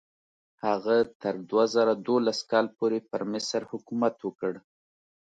هغه تر دوه زره دولس کال پورې پر مصر حکومت وکړ.